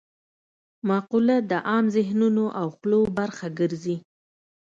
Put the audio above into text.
مقوله د عام ذهنونو او خولو برخه ګرځي